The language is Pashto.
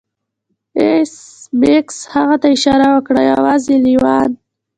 ایس میکس هغه ته اشاره وکړه یوازې لیوان